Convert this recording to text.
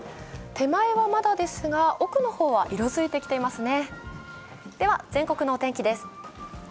手前はまだですが、奥の方は色づいてきてますね。